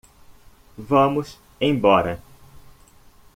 Vamos embora.